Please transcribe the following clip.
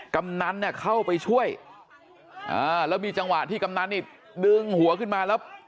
กำนันเนี่ยเข้าไปช่วยอ่าแล้วมีจังหวะที่กำนันนี่ดึงหัวขึ้นมาแล้ว